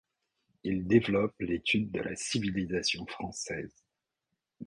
Il y développe l'étude de la civilisation française.